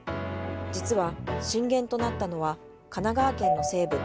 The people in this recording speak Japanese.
実は震源となったのは、神奈川県の西部。